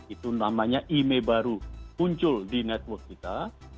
itu namanya email baru muncul di network kita